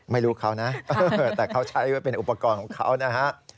ไม่รู้เขานะแต่เขาใช้ไว้เป็นอุปกรณ์ของเขานะฮะ